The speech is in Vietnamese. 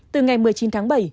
từ ngày một mươi chín tháng bảy